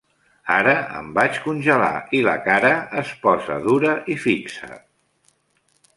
Ara em vaig congelar, i la cara es posà dura i fixa.